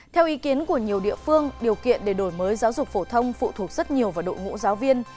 theo ý kiến của nhiều địa phương điều kiện để đổi mới giáo dục phổ thông phụ thuộc rất nhiều vào đội ngũ giáo viên